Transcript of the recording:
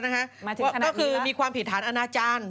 ไปแคร์แล้วนะฮะก็คือมีความผิดฐานอนาจารย์